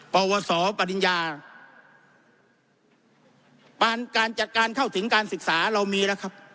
ปวสปริญญาปานการจัดการเข้าถึงการศึกษาเรามีแล้วครับ